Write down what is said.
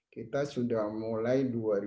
kita sudah mulai dua ribu dua